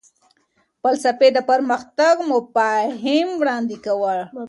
فلسفې د پرمختګ مفاهیم وړاندې کړل.